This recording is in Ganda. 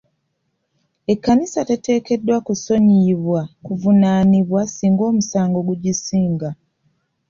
Ekkanisa teteekeddwa kusonyiyibwa kuvunaanibwa singa omusango gugisinga.